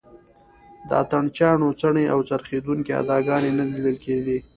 د اتڼ چیانو څڼې او څرخېدونکې اداګانې نه لیدل کېږي.